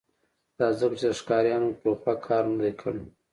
دا ځکه چې د ښکاریانو ټوپک کار نه دی کړی